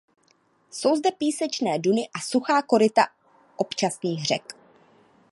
Jsou zde písečné duny a suchá koryta občasných řek.